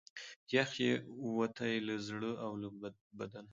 یخ یې ووتی له زړه او له بدنه